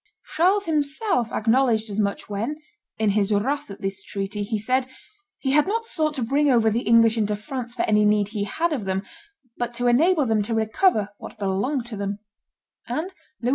Charles himself acknowledged as much when, in his wrath at this treaty, he said, "He had not sought to bring over the English into France for any need he had of them, but to enable them to recover what belonged to them;" and Louis XI.